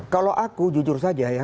kalau aku jujur saja ya